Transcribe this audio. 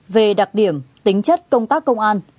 về đặc điểm tính chất công tác công an